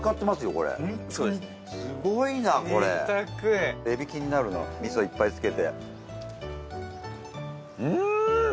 これすごいなこれ贅沢海老気になるなみそいっぱいつけてうーん！